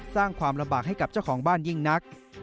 สร้างความลำบากให้กับเจ้าของบ้านยิ่งนัก